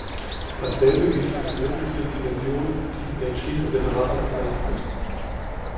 Dasselbe gilt für die nördliche Dimension, die in der Entschließung des Rates genannt wird.